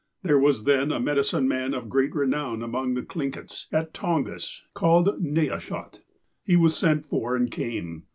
There was then a medicine man of great renown among the Thlingits, at Tongas, called Neyahshot. He was sent for, and came.